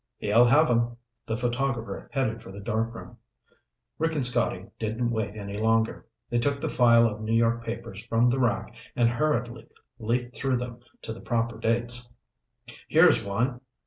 "He'll have 'em." The photographer headed for the darkroom. Rick and Scotty didn't wait any longer. They took the file of New York papers from the rack and hurriedly leafed through them to the proper dates. "Here's one!"